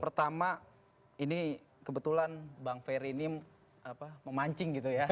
pertama ini kebetulan bang ferry ini memancing gitu ya